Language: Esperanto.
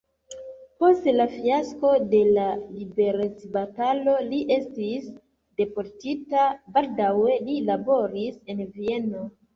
Post la fiasko de la liberecbatalo li estis deportita, baldaŭe li laboris en Vieno.